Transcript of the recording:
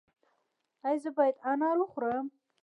ایا زه باید انار وخورم؟